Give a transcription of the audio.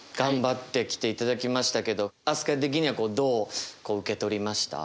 飛鳥的にはどう受け取りました？